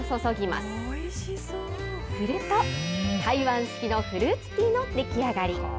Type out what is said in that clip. すると、台湾式のフルーツティーの出来上がり。